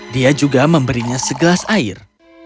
dia juga memberinya segelas air